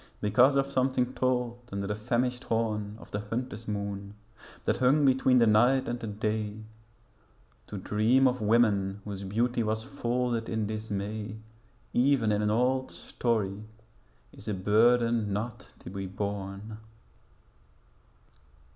Because of a story I heard under the thin horn Of the third moon, that hung between the night and the day, To dream of women whose beauty was folded in dismay, Even in an old story, is a burden not to be borne.